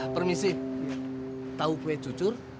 permisi tau kue cucur